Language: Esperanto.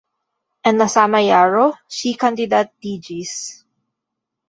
En la sama jaro ŝi kandidatiĝis.